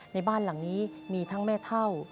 ในบ้านหลังนี้มีทั้งแม่เท่า